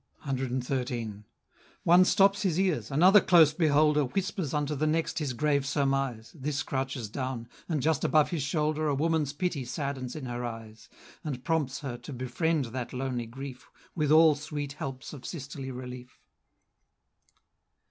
CXIII. One stops his ears, another close beholder Whispers unto the next his grave surmise; This crouches down, and just above his shoulder, A woman's pity saddens in her eyes, And prompts her to befriend that lonely grief, With all sweet helps of sisterly relief.